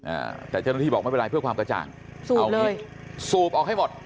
อ่าแต่เจ้าหน้าที่บอกไม่เป็นไรเพื่อความกระจ่างสูบเอาเลยสูบออกให้หมด